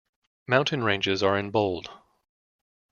Mountain ranges are in bold.